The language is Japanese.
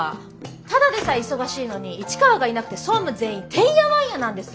ただでさえ忙しいのに市川がいなくて総務全員てんやわんやなんです！